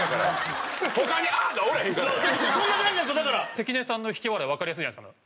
関根さんの引き笑いわかりやすいじゃないですか。